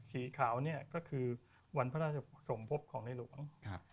สีขาวนี่ก็คือวันพระราชสมภพของนายหลวง